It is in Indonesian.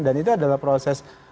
dan itu adalah proses